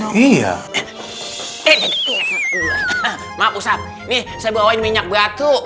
nih saya bawain minyak batu